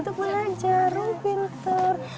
untuk belajar oh pintar